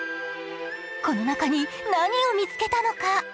この中に何を見つけたのか。